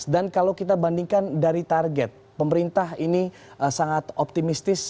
dan kalau kita bandingkan dari target pemerintah ini sangat optimistis